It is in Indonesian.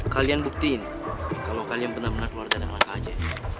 kalian buktiin kalau kalian benar benar keluarga dan anak aja